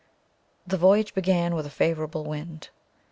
The voyage began with a favourable wind.